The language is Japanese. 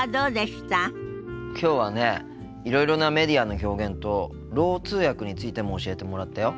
きょうはねいろいろなメディアの表現とろう通訳についても教えてもらったよ。